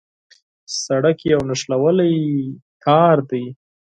سړک یو نښلوی تار دی.